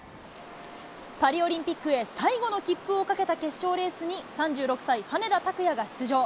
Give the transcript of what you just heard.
パリオリンピックへ、最後の切符を懸けた決勝レースに、３６歳、羽根田卓也が出場。